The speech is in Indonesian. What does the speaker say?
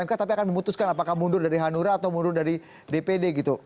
mk tapi akan memutuskan apakah mundur dari hanura atau mundur dari dpd gitu